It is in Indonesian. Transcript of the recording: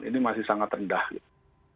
ini masih sangat rendah gitu